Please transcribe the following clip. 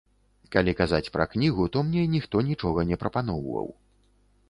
Калі казаць пра кнігу, то мне ніхто нічога не прапаноўваў.